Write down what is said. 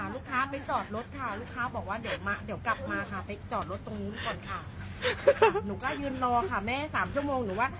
ลูกค้ามันก็เอาเครื่องมาถ่ายลูกหนู